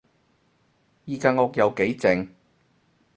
依間屋有幾靜